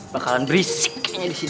bakalan berisik kayaknya disini